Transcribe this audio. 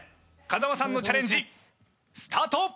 風間さんのチャレンジスタート！